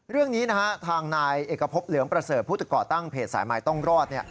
เรื่องนี้นะฮะทางนายเอกพบเหลืองประเสริฐผู้ก่อตั้งเพจสายใหม่ต้องรอด